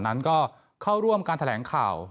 นั้นก็เข้าร่วมการแถลงข่าว